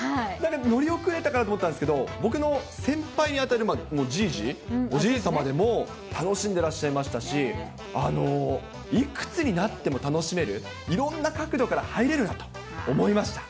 乗り遅れたかなと思ったんですけど、僕の先輩に当たるじいじ、おじいさまでも、楽しんでらっしゃいましたし、いくつになっても楽しめる、いろんな角度から入れると思いました。